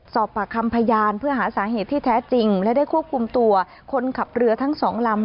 สอบปากคำพยานเพื่อหาสาเหตุที่แท้จริงและได้ควบคุมตัวคนขับเรือทั้งสองลำ